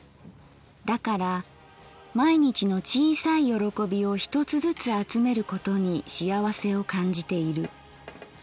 だから毎日の小さい喜びを一つずつ集めることにしあわせを感じている。